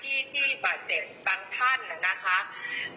แต่ถ้าติดต่อได้เฉพาะแรงงานที่บาดเจ็ดบางท่านนะคะ